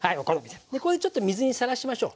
でこれでちょっと水にさらしましょう。